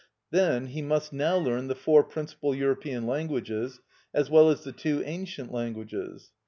Then he must now learn the four principal European languages, as well as the two ancient languages.